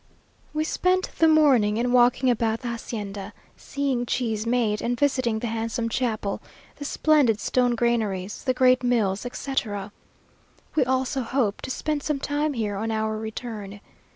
We spent the morning in walking about the hacienda, seeing cheese made, and visiting the handsome chapel, the splendid stone granaries, the great mills, etc. We also hope to spend some time here on our return.